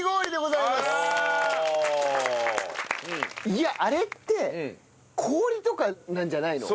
いやあれって氷とかなんじゃないの？